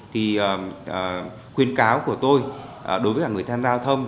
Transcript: thì khuyên cáo của tôi đối với cả người tham gia giao thông